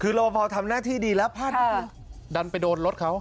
คือรพพอร์ทำหน้าที่ดีแล้วผ้าดันไปโดนรถเขา